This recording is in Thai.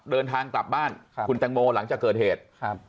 เดินทางกลับบ้านคุณแตงโมหลังจากเกิดเหตุครับ